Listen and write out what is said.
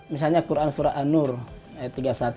misalnya quran surah an nur ayat tiga puluh satu